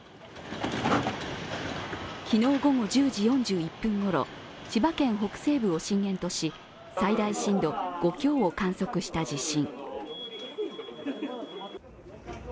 昨日午後１０時４１分ごろ、千葉県北西部を震源とし、最大震度５強を観測した地震。